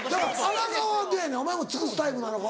荒川はどうやねんお前も尽くすタイプなのか？